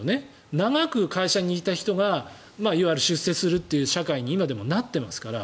長く会社にいた人がいわゆる出世するという社会に今でもなってますから。